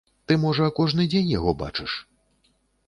Ты можа кожны дзень яго бачыш?